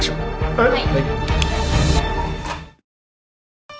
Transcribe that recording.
はい！